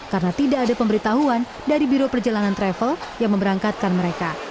karena tidak ada pemberitahuan dari biro perjalanan travel yang memberangkatkan mereka